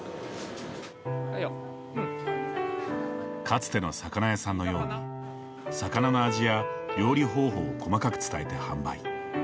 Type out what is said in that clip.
かつての魚屋さんのように魚の味や料理方法を細かく伝えて販売。